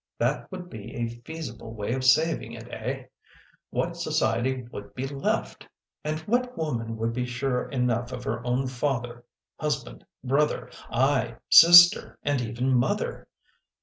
That would be a feasible way of saving it, eh ? What society would be left ? And what woman would be sure enough of her own father, husband, brother aye, sister and even mother